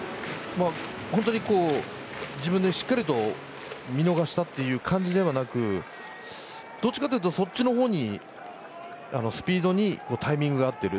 本当に、自分でしっかりと見逃したという感じではなくどっちかというとそっちの方にスピードにタイミングがあっている。